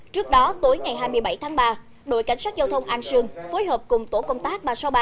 trước đó tối ngày hai mươi bảy tháng ba đội cảnh sát giao thông an sương phối hợp cùng tổ công tác ba trăm sáu mươi ba